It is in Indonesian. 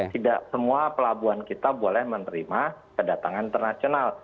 tidak semua pelabuhan kita boleh menerima kedatangan internasional